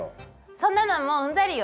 そんなのはもううんざりよ！